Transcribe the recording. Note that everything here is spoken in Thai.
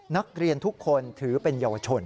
นักเรียนทุกคนถือเป็นเยาวชน